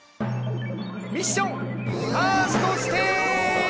ミッションファーストステージ。